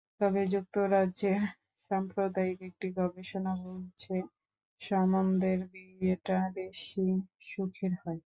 তবে যুক্তরাজ্যের সাম্প্রতিক একটি গবেষণা বলছে, সম্বন্ধের বিয়েটা বেশি সুখের হয়।